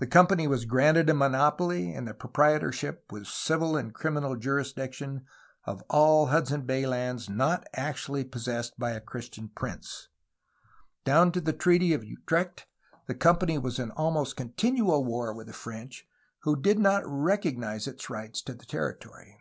The company was granted a monopoly and the proprietorship, with civil and criminal jurisdiction, of all Hudson Bay lands not actu ally possessed by a Christian prince. Down to the Treaty 266 A HISTORY OF CALIFORNIA of Utrecht the company was in ahnost continual war with the French, who did not recognize its rights to the territory.